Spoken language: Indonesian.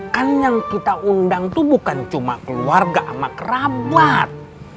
kan yang kita undang itu bukan cuma keluarga sama kerabat